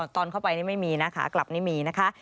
ตอนเข้าไปนี่ไม่มีนะคะกลับนี่มีนะคะ